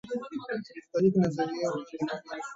مختلفي نظریې وړاندي کړي دي.